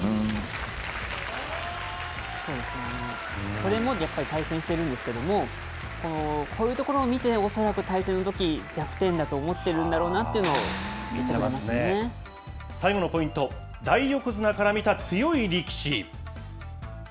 これもやっぱり対戦しているんですけれども、こういうところを見て、恐らく対戦のとき、弱点だと思ってるんだろうなっていうのを、最後のポイント、大横綱から見た強い力士。